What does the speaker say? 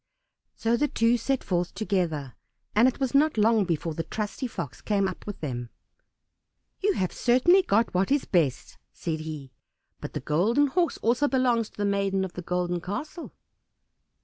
So the two set forth together, and it was not long before the trusty Fox came up with them. "You have certainly got what is best," said he, "but the Golden Horse also belongs to the maiden of the Golden Castle."